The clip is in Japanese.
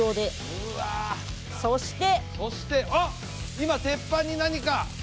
今鉄板に何か。